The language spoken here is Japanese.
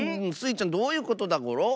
ちゃんどういうことだゴロ？